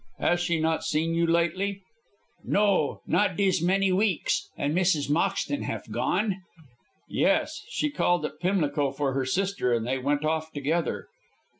"Has she not seen you lately?" "Not, not des many veeks. And Mrs. Moxton haf gone?" "Yes, she called at Pimlico for her sister, and they went off together."